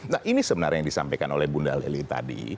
nah ini sebenarnya yang disampaikan oleh bunda leli tadi